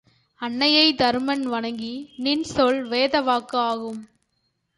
அன்னையைத் தருமன் வணங்கி நின் சொல் வேத வாக்கு ஆகும்.